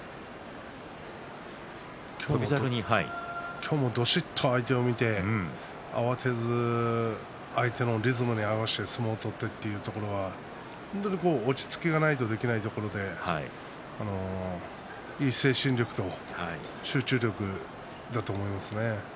今日もどしっと相手を見て相手のリズムに合わせて相撲を取って、本当に落ち着きがないとできないところでいい精神力と集中力だと思いますね。